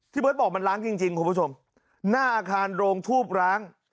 เบิร์ตบอกมันล้างจริงจริงคุณผู้ชมหน้าอาคารโรงทูบร้าง